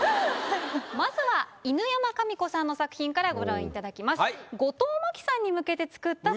まずは犬山紙子さんの作品からご覧いただきます。